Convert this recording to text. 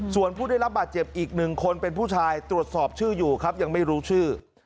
ส่วนผู้ได้รับบาดเจ็บอีกหนึ่งคนเป็นผู้ชายตรวจสอบชื่ออยู่ครับยังไม่รู้ชื่อ